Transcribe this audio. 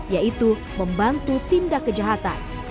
yaitu membantu tindak kejahatan